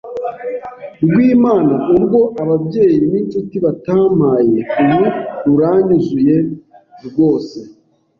rw’Imana urwo ababyeyi n’inshuti batampaye ubu ruranyuzuye rwose